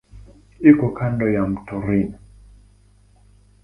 Iko kando ya mto Rhine.